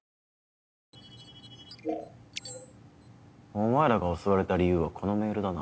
お前らが襲われた理由はこのメールだな。